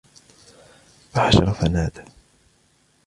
فَحَشَرَ فَنَادَى